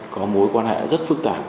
có mối quan hệ rất phức tạp